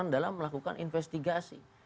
dalam melakukan investigasi